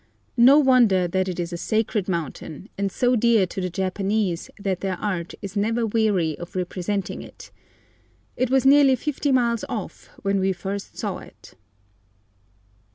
No wonder that it is a sacred mountain, and so dear to the Japanese that their art is never weary of representing it. It was nearly fifty miles off when we first saw it.